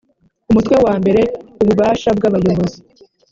umutwe wa mbere ububasha bwabayobozi